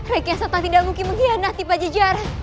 rai kiasantang tidak mungkin mengkhianati pajajaran